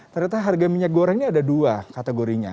ternyata harga minyak goreng ini ada dua kategorinya